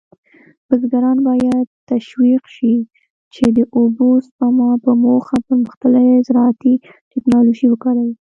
بزګران باید تشویق شي چې د اوبو سپما په موخه پرمختللې زراعتي تکنالوژي وکاروي.